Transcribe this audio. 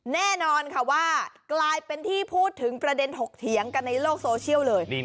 แน่นอนค่ะว่ากลายเป็นที่พูดถึงประเด็นถกเถียงกันในโลกโซเชียลเลย